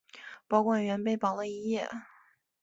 保管员被绑了一夜。